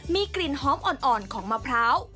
มีกลิ่นหอมอ่อนของมะพร้าว